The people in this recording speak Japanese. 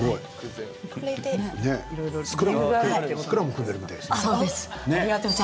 スクラムを組んでいるみたいですね。